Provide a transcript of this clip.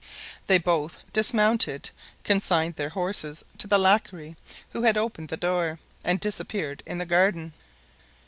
They both dismounted, consigned their horses to the lackey who had opened the door, and disappeared in the garden.